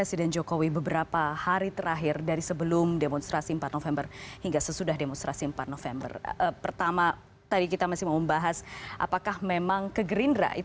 iya jadi itu dia